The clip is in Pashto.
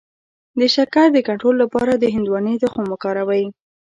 د شکر د کنټرول لپاره د هندواڼې تخم وکاروئ